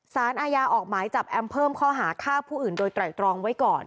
สารอาญาออกหมายจับแอมเพิ่มข้อหาฆ่าผู้อื่นโดยไตรตรองไว้ก่อน